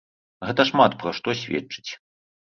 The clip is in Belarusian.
Гэта шмат пра што сведчыць.